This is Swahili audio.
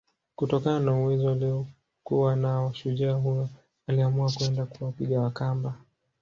kutokana na uwezo aliokuwa nao shujaa huyo aliamua kwenda kuwapiga Wakamba